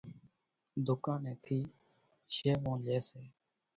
ڌُوڪانين ٿي شيوون لي سي۔